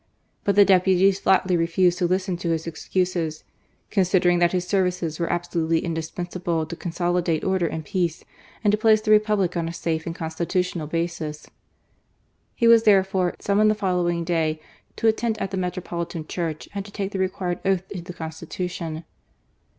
But the deputies flatly refused to listen to his excuses, " considering that his services were absolutely indispensable to consolidate order and peace, and to place the Republic on a safe and constitutional basis." He was, therefore, summoned the following day to attend at the metropolitan church and to take the required oath to the Consti tution.